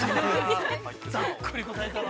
◆ざっくり答えたな。